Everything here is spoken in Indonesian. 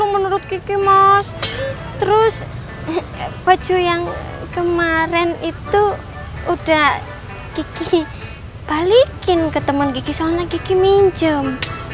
mungkin ketemu gigi soalnya gigi minjem